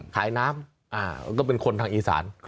ขายน้ำก็เป็นคนทางอีสาน